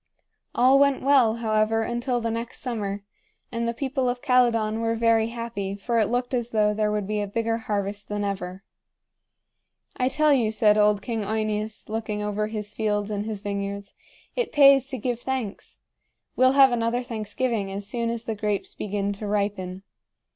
All went well, however, until the next summer; and the people of Calydon were very happy, for it looked as though there would be a bigger harvest than ever. "I tell you," said old King OEneus, looking over his fields and his vineyards, "it pays to give thanks. We'll have another thanksgiving as soon as the grapes begin to ripen."